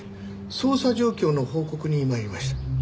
捜査状況の報告に参りました。